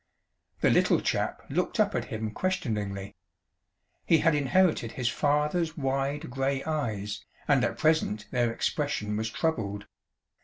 The Little Chap looked up at him questioningly. He had inherited his father's wide gray eyes, and at present their expression was troubled.